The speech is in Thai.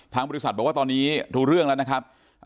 บริษัทบอกว่าตอนนี้รู้เรื่องแล้วนะครับ